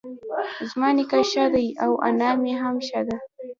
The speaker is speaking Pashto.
زما نيکه ښه دی اؤ انا مي هم ښۀ دۀ